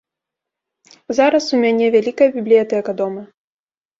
Зараз у мяне вялікая бібліятэка дома.